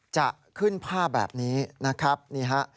จะขึ้นผ้าแบบนี้นะครับนี่ฮะ